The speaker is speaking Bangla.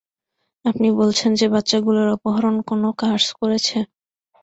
আপনি বলছেন যে বাচ্চাগুলোর অপহরণ কোনো কার্স করেছে?